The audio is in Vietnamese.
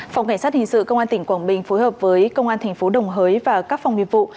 phòng cảnh sát hình sự công an tỉnh quảng bình phối hợp với công an tp đồng hới và các phòng nguyên vụ